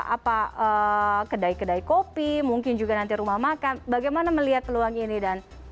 apa kedai kedai kopi mungkin juga nanti rumah makan bagaimana melihat peluang ini dan